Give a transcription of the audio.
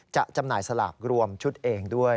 จำหน่ายสลากรวมชุดเองด้วย